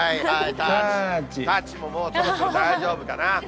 タッチ、タッチももうそろそろ大丈夫かな。